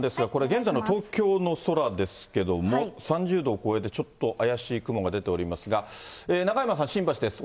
現在の東京の空ですけれども、３０度を超えてちょっと怪しい雲が出ておりますが、中山さん、新橋です。